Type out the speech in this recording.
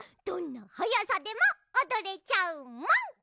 どんなはやさでもおどれちゃうもん！